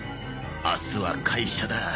明日は会社だ。